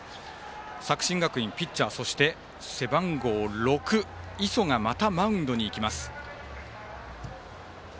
作新学院、ピッチャーそして背番号６、磯がまたマウンドに行きます。